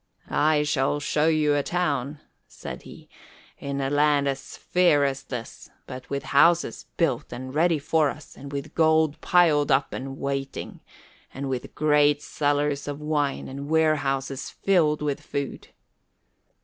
"I shall show you a town," said he, "in a land as fair as this, but with houses built and ready for us, and with gold piled up and waiting, and with great cellars of wine and warehouses filled with food."